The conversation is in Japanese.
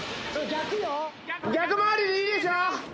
逆回りでいいでしょ。